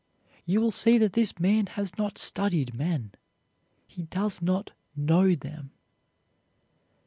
You will see that this man has not studied men. He does not know them.